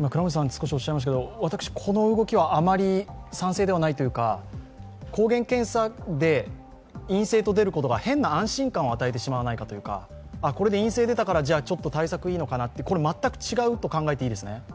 私、この動きはあまり賛成ではないというか抗原検査で陰性と出ることが変な安心感を与えてしまわないかというかこれで陰性出たから、対策いいのかなというのはこれは全く違うと考えていいですね？